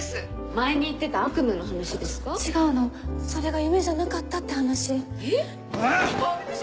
前に言ってた悪夢の話ですか違うのそれが夢じゃなかったって話えっ？